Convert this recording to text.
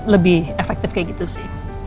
lebih efektif kayak gitu sih